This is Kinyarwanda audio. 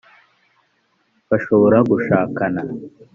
bashobora gushakana